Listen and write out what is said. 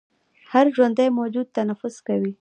هر ژوندی موجود تنفس کوي